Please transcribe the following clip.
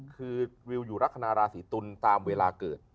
คือวิวอยู่ลักษณะราศีตุลตามเวลาเกิด